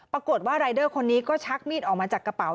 ปรากฏว่ารายเดอร์คนนี้ก็ชักมีดออกมาจากกระเป๋า